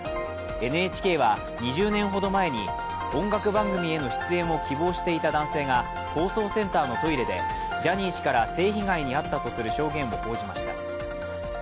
ＮＨＫは２０年ほど前に、音楽番組への出演を希望していた男性が放送センターのトイレでジャニー氏から性被害に遭ったという証言を報じました。